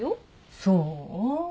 そう？